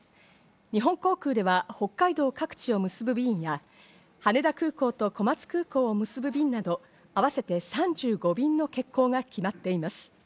日本航空では北海道各地を結ぶ便や羽田空港と小松空港を結ぶ便など、合わせて３５便の欠航が決まっています。